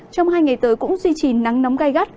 trong hai ngày tới cũng duy trì nắng nóng gai gắt